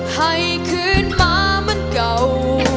ให้คืนมาเมื่องเก่า